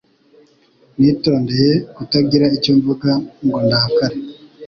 Nitondeye kutagira icyo mvuga ngo ndakare